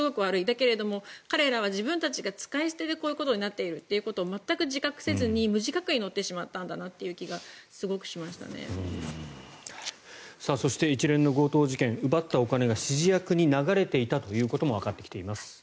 だけど、彼らは自分たちが使い捨てでこういうことになっていることを全く自覚せずに無自覚で乗ってしまったんだなとそして、一連の強盗事件奪ったお金が指示役に流れていたということもわかってきています。